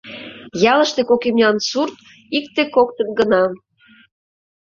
Ялыште кок имнян сурт икте-коктыт гына.